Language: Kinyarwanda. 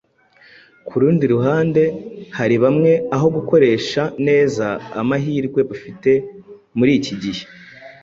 Ku rundi ruhande, hariho bamwe aho gukoresha neza amahirwe bafite muri iki gihe,